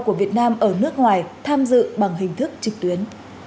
của việt nam ở nước ngoài tham dự bằng hình thức trực tuyến